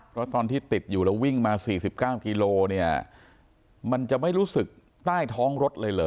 เพราะตอนที่ติดอยู่แล้ววิ่งมา๔๙กิโลเนี่ยมันจะไม่รู้สึกใต้ท้องรถเลยเหรอ